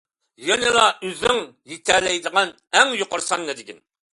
يەنىلا ئۆزۈڭ يېتەلەيدىغان ئەڭ يۇقىرى ساننى دېگىن.